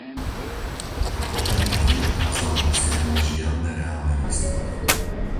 A opäť raz nedokázala dosiahnuť žiadne reálne výsledky.